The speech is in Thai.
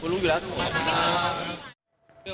คุณรู้อยู่แล้วทั้งหมด